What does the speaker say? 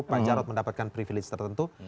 pak jarod mendapatkan privilege tertentu